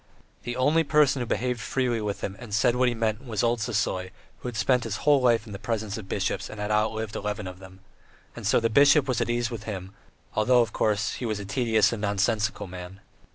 The only person who behaved freely with him and said what he meant was old Sisoy, who had spent his whole life in the presence of bishops and had outlived eleven of them. And so the bishop was at ease with him, although, of course, he was a tedious and nonsensical man.